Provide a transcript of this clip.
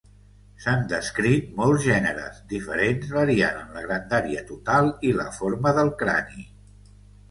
S'han descrit molts gèneres diferents, variant en la grandària total i la forma del crani.